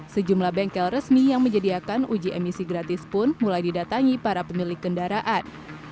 sejumlah bengkel resmi yang menyediakan uji emisi gratis pun mulai didatangi para pemilik kendaraan